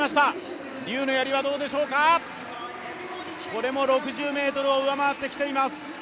これも６０ｍを上回ってきています。